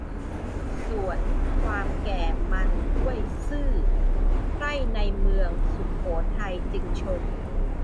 สวนความแก่มันด้วยซื่อ ไพร่ในเมืองสุโขทัยจึงชม